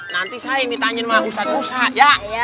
nanti saya yang ditanyain sama usah usah ya